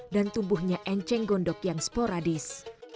dan tumbuhnya enceng gondok yang sporadis